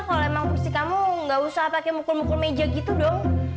kalau emang kursi kamu gak usah pakai mukul mukul meja gitu dong